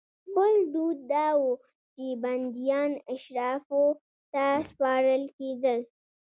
بل دود دا و چې بندیان اشرافو ته سپارل کېدل.